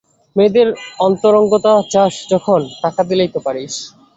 মেয়েদের অন্তরঙ্গতা চাস যখন টাকা দিলেই তো পারিস?